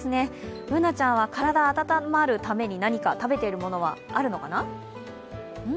Ｂｏｏｎａちゃんは体温まるために何か食べているものはあるかな？